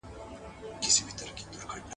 کار چي بې استا سي، بې معنا سي.